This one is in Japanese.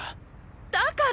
だから！